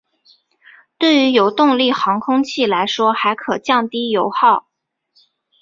对于有动力航空器来说还可降低油耗。